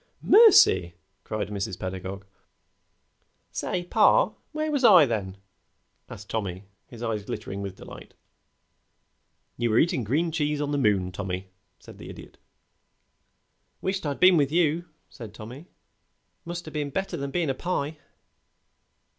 "Mercy!" cried Mrs. Pedagog. "Say, pa, where was I then?" asked Tommy, his eyes glittering with delight. "You were eating green cheese on the moon, Tommy," said the Idiot. "Wisht I'd been with you," said Tommy. "Must o' been better than bein' a pie."